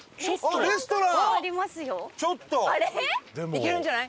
行けるんじゃない！？